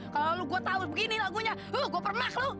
kalau lu gua tahu begini lagunya gua permah lu